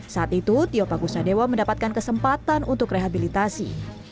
saat itu tio pakusadewa mendapatkan kesempatan untuk rehabilitasi